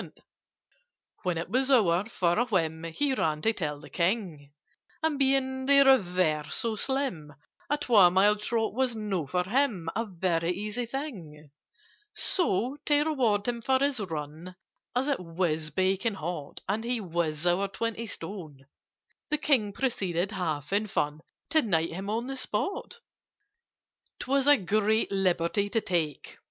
[Picture: He ran to tell the King] "When it was over, for a whim, He ran to tell the King; And being the reverse of slim, A two mile trot was not for him A very easy thing. "So, to reward him for his run (As it was baking hot, And he was over twenty stone), The King proceeded, half in fun, To knight him on the spot." "'Twas a great liberty to take!"